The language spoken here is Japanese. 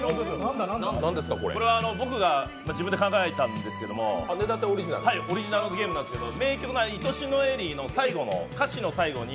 これは僕が自分で考えたんですけどオリジナルゲームなんですけど、名曲の「いとしのエリー」の歌詞の最後に